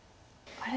あれ？